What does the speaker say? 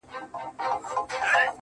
ستا د يوې لپي ښكلا په بدله كي ياران.